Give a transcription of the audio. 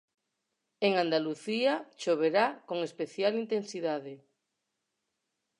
En Andalucía choverá con especial intensidade.